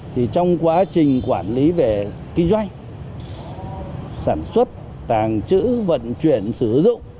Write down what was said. thì trong quá trình quản lý về kinh doanh sản xuất tàng trữ vận chuyển sử dụng